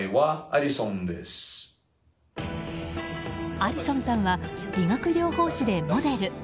アリソンさんは理学療法士でモデル。